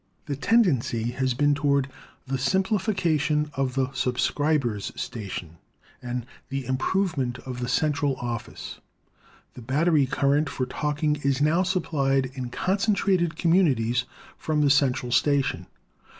The ten dency has been toward the simplification of the sub scriber's station and the improvement of the central office. The battery current for talking is now supplied in concen trated communities from the central station.